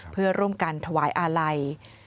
เพื่อร่วมกันถวายอาลัย